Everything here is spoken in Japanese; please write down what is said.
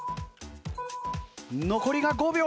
残りが５秒。